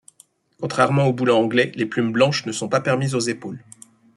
Contrairement au boulant anglais, les plumes blanches ne sont pas permises aux épaules.